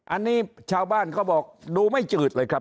อันนี้ชาวบ้านเขาบอกดูไม่จืดเลยครับ